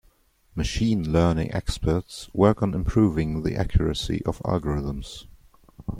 Machine Learning experts work on improving the accuracy of algorithms.